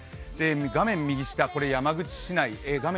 画面右下は山口市内、画面